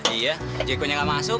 iya jekonya gak masuk